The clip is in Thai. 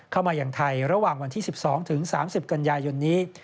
เข้ามาอย่างไทยระหว่างวันที่๑๒๓๐กันยายนนี้